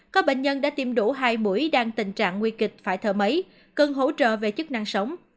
có bệnh nhân đã tiêm đủ hai mũi đang tình trạng nguy kịch phải thở máy cần hỗ trợ về chức năng sống